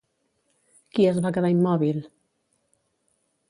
Qui es va quedar immòbil?